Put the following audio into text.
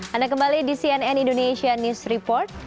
anda kembali di cnn indonesia news report